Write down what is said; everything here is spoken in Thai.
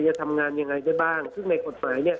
จะทำงานยังไงได้บ้างซึ่งในกฎหมายเนี่ย